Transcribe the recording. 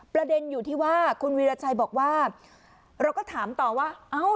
ประเด็นอยู่ที่ว่าคุณวีรชัยบอกว่าเราก็ถามต่อว่าเอ้า